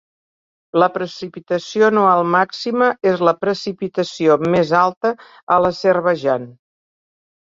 La precipitació anual màxima és la precipitació més alta a l'Azerbaidjan.